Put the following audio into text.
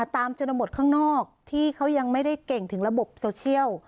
ชนบทข้างนอกที่เขายังไม่ได้เก่งถึงระบบโซเชียล